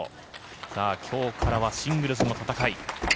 さあ、今日からはシングルスの戦い。